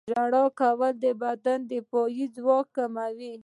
• ژړا کول د بدن دفاعي ځواک قوي کوي.